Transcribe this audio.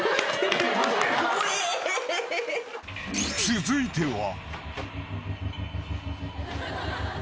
［続いては］